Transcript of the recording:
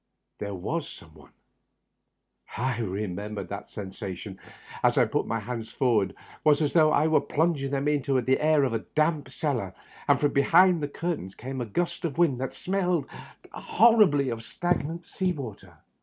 There was some one. r remember that the sensation as I put my hands forward was as though I were plunging them into the air of a damp cellar, and from behind the curtains came a gust of wind that smelled horribly of stagnant sea water.